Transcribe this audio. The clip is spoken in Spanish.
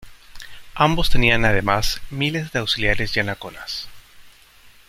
Ambos tenían además miles de auxiliares yanaconas.